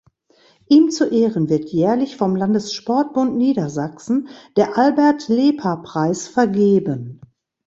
Ihm zu Ehren wird jährlich vom Landessportbund Niedersachsen der "Albert-Lepa-Preis" vergeben.